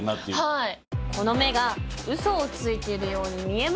はい。